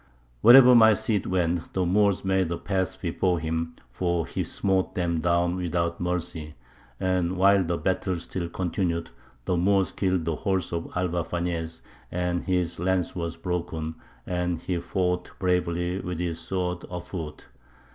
Wherever my Cid went, the Moors made a path before him, for he smote them down without mercy. And while the battle still continued, the Moors killed the horse of Alvar Fañez, and his lance was broken, and he fought bravely with his sword afoot.